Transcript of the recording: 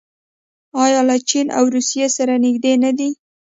آیا له چین او روسیې سره نږدې نه دي؟